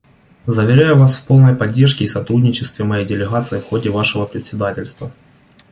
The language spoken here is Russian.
Заверяю вас в полной поддержке и сотрудничестве моей делегации в ходе вашего председательства.